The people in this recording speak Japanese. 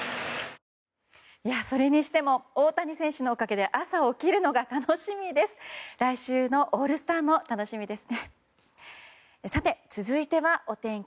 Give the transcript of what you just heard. それにしても大谷選手のおかげで朝、起きるのが楽しみです。